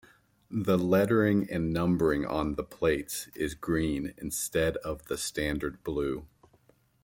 The lettering and numbering on the plates is green instead of the standard blue.